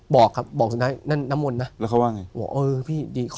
บอกครับบอกสุดท้ายนั่นน้ำมนต์นะแล้วเขาว่าไงบอกเออพี่ดีขอ